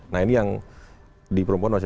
nah ini yang di perempuan masih